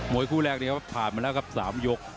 วยคู่แรกนี้ครับผ่านมาแล้วครับ๓ยก